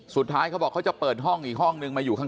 เขาบอกเขาจะเปิดห้องอีกห้องนึงมาอยู่ข้าง